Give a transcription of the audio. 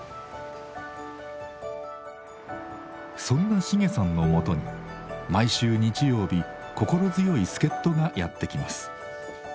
そんなシゲさんのもとに毎週日曜日心強い助っ人がやって来ます。